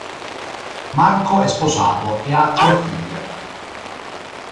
Marco è sposato e ha tre figlie.